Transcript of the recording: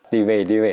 đi về đi về